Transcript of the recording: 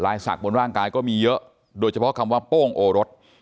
สักบนร่างกายก็มีเยอะโดยเฉพาะคำว่าโป้งโอรส